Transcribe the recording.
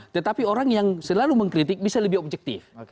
tetapi orang yang selalu mengkritik bisa lebih objektif